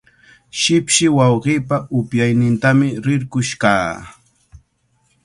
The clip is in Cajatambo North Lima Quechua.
Shipshi wawqiipa hupaynintami rirqush kaa.